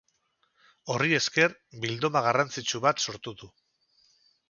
Horri esker bilduma garrantzitsu bat sortu du.